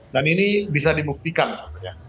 dan ini bisa dibuktikan sebenarnya